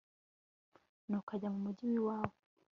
nuko ajya mu mugi w i wabo